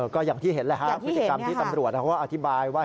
ก็อย่างที่เห็นแหละฮะพฤติกรรมที่ตำรวจเขาก็อธิบายว่า